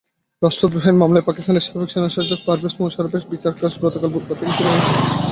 রাষ্ট্রদ্রোহ মামলায় পাকিস্তানের সাবেক সেনাশাসক পারভেজ মোশাররফের বিচারকাজ গতকাল বুধবার থেকে শুরু হয়েছে।